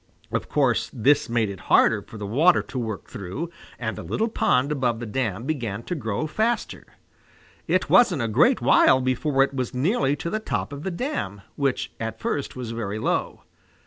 Of course this made it harder for the water to work through, and the little pond above the dam began to grow faster. It wasn't a great while before it was nearly to the top of the dam, which at first was very low.